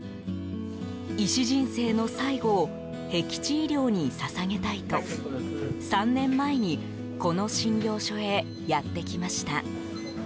医師人生の最後をへき地医療に捧げたいと３年前にこの診療所へやってきました。